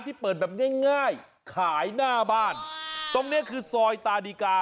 ที่เปิดแบบง่ายง่ายขายหน้าบ้านตรงเนี้ยคือซอยตาดีกา